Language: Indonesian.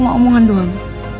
kalau cuma omongan doang